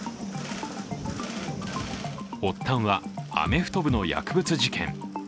発端はアメフト部の薬物事件。